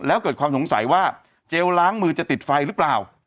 แล้วเกิดความสงสัยว่าเจลล้างมือจะติดไฟหรือเปล่า